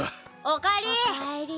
おかえり。